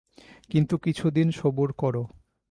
কিন্তু কিছু দিন সবুর করো।